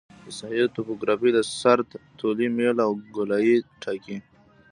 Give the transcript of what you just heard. د ساحې توپوګرافي د سرک طولي میل او ګولایي ټاکي